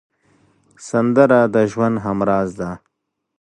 سندره د ژوند همراز ده